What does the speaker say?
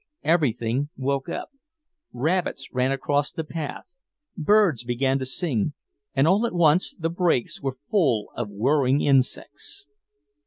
Everything woke up; rabbits ran across the path, birds began to sing, and all at once the brakes were full of whirring insects.